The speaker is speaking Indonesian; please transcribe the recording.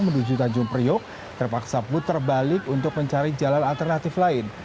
menuju tanjung priok terpaksa putar balik untuk mencari jalan alternatif lain